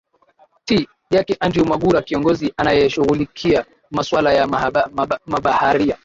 ti yake andrew mwagura kiongozi anayeshughulikia maswala ya mabaharia